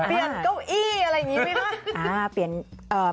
เปลี่ยนเก้าอี้อะไรอย่างงี้บ้าง